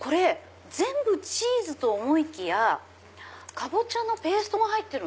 全部チーズと思いきやカボチャのペーストも入ってる。